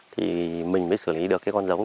thì mình mới xử lý được con giống